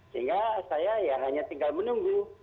sehingga saya ya hanya tinggal menunggu